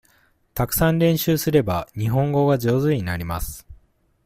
たくさん練習すれば、日本語が上手になります。